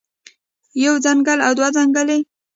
يوه څنګل او دوه څنګلې